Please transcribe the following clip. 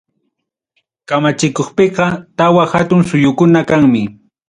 Kamachikuqpiqa tawa hatun suyukuna kanmi.